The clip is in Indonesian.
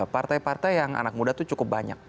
partai partai yang anak muda itu cukup banyak